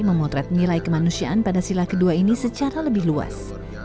memotret nilai kemanusiaan pada sila kedua ini secara lebih luas